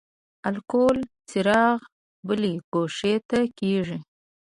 الکولي څراغ بلې ګوښې ته کیږدئ.